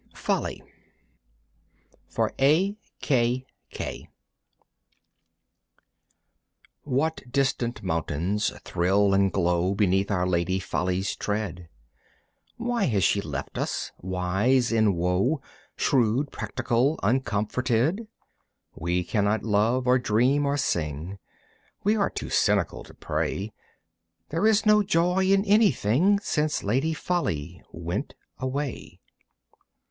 Folly (For A. K. K.) What distant mountains thrill and glow Beneath our Lady Folly's tread? Why has she left us, wise in woe, Shrewd, practical, uncomforted? We cannot love or dream or sing, We are too cynical to pray, There is no joy in anything Since Lady Folly went away.